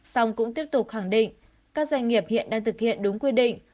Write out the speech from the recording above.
xong cũng tiếp tục khẳng định các doanh nghiệp hiện đang thực hiện đúng quy định